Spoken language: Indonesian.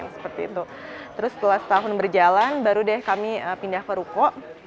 setelah setahun berjalan baru kami pindah ke ruko